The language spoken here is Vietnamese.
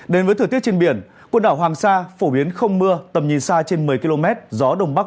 đến với thời tiết trên biển quân đảo hoàng sa phổ biến không mưa